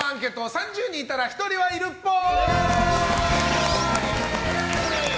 ３０人いたら１人はいるっぽい。